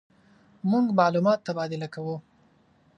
مونږ معلومات تبادله کوو.